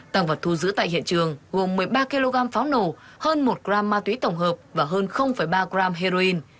tàng vật thu giữ tại hiện trường gồm một mươi ba kg pháo nổ hơn một g ma túy tổng hợp và hơn ba g heroin